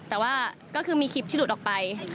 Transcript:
แต่ว่าก็คือมีคลิปที่หลุดออกไป